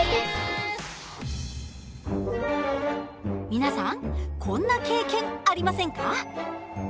皆さんこんな経験ありませんか？